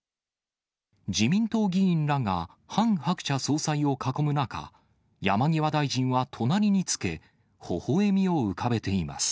自民党議員らがハン・ハクチャ総裁を囲む中、山際大臣は隣につけ、ほほ笑みを浮かべています。